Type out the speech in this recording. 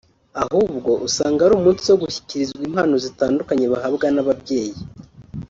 ahubwo usanga ari umunsi wo gushyikirizwa impano zitandukanye bahabwa n’ababyeyi